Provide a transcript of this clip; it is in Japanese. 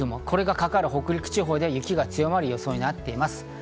これがかかる北陸地方で雪が強まる予想になっています。